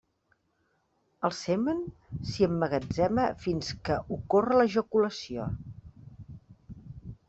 El semen s'hi emmagatzema fins que ocorre l'ejaculació.